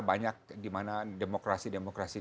banyak dimana demokrasi demokrasi